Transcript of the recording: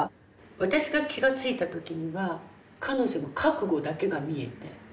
私が気が付いた時には彼女の覚悟だけが見えて。